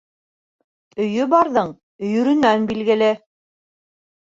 Өйө барҙың өйөрөнән билгеле.